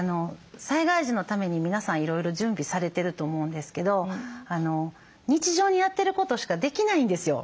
災害時のために皆さんいろいろ準備されてると思うんですけど日常にやってることしかできないんですよ。